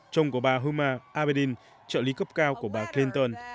chồng của bà huma aberdin trợ lý cấp cao của bà clinton